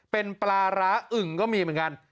เป็นปลาร้าอึ่งก็มีเหมือนกัน